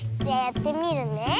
じゃやってみるね。